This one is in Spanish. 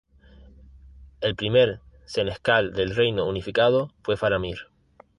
El primer Senescal del Reino Unificado fue Faramir.